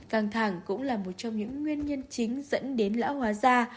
căng thẳng cũng là một trong những nguyên nhân chính dẫn đến lão hóa da